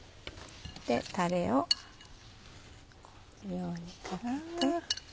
タレをこのようにかけて。